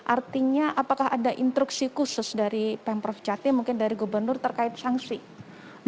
artinya apakah ada instruksi khusus dari pemprov jati mungkin dari gubernur terkait sanksi